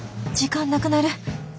時間なくなる。